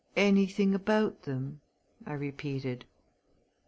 "Anything about them?" I repeated.